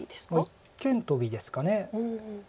一間トビですか。